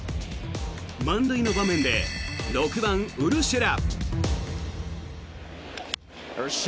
満塁の場面で６番、ウルシェラ。